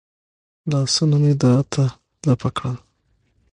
لاسونه مې دعا ته لپه کړل.